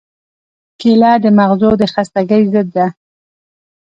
کېله د مغزو د خستګۍ ضد ده.